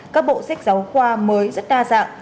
các bộ sách giáo khoa mới rất đa dạng